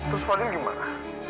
terus fadil gimana